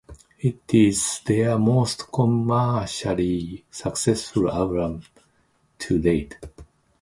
It is their most commercially successful album to date.